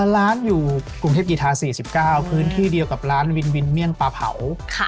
ร้านอยู่กรุงเทพกีธา๔๙พื้นที่เดียวกับร้านวินวินเมี่ยงปลาเผา